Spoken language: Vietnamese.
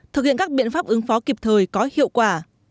thực hiện các biện pháp ứng phó kịp thời có hiệu quả